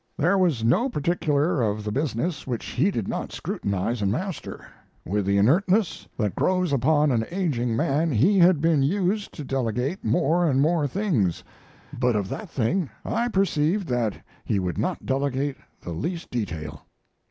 There was no particular of the business which he did not scrutinize and master.... With the inertness that grows upon an aging man he had been used to delegate more and more things, but of that thing I perceived that he would not delegate the least detail.